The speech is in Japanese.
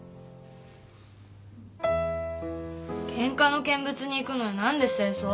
ケンカの見物に行くのに何で正装？